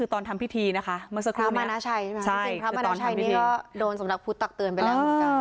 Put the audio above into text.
ใช่พระมนาชัยนี่ก็โดนสมรักษ์พุทธตักเตือนไปแล้ว